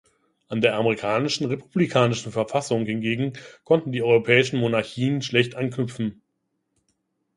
An der amerikanischen republikanischen Verfassung hingegen konnten die europäischen Monarchien schlecht anknüpfen.